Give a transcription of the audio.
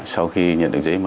sau khi nhận được giấy mời